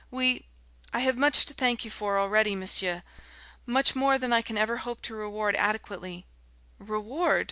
"We I have much to thank you for already, monsieur, much more than I can ever hope to reward adequately " "Reward?"